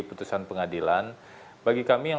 putusan pengadilan bagi kami yang